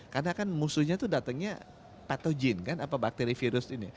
karena kan musuhnya tuh datangnya pathogen kan atau bakteri virus ini